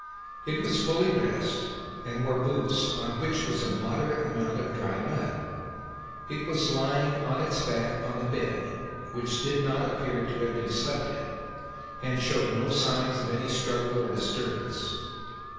It was fully dressed and wore boots on which was a moderate amount of dry mud. It was lying on its back on the bed, which did not appear to have been slept in, and showed no sign of any struggle or disturbance.